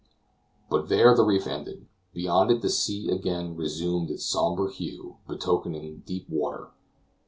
But there the reef ended; beyond it the sea again resumed its somber hue, betokening deep water.